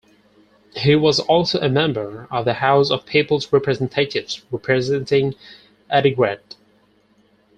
He was also a member of the House of Peoples' Representatives, representing Adigrat.